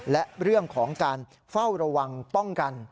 และเรื่องของการเฝ้าระวังป้องกัน